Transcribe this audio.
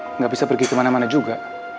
kamu gak bisa pergi kemana mana juga